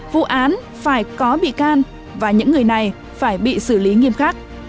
vụ án phải có bị can và những người này phải bị xử lý nghiêm khắc